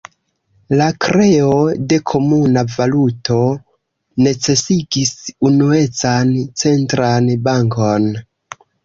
La kreo de komuna valuto necesigis unuecan centran bankon.